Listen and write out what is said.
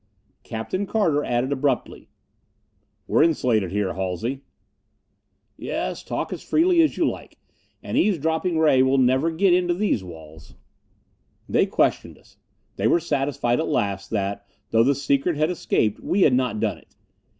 Captain Carter added abruptly, "We're insulated here, Halsey?" "Yes, talk as freely as you like. An eavesdropping ray will never get into these walls." They questioned us. They were satisfied at last that, though the secret had escaped, we had not done it.